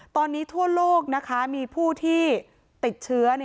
ตอนนี้ทั่วโลกมีผู้ที่ติดเชื้อ๑๕๔๐๐๐ราย